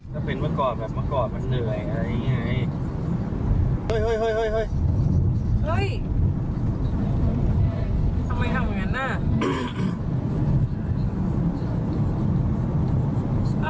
จะเป็นมะกอดแบบมะกอดมันเหนื่อยอะไรอย่างนี้ไง